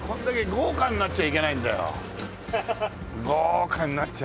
豪華になっちゃ。